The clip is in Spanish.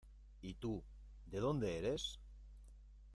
Y tú, ¿de dónde eres?